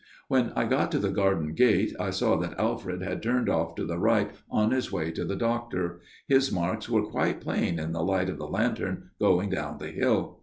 " When I got to the garden gate I saw that Alfred had turned off to the right on his way to the doctor ; his marks were quite plain in the light of the lantern, going down the hill.